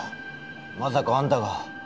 まさかあんたが。